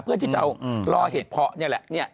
เพื่อที่จะรอเหตุเพาะนี่แหละ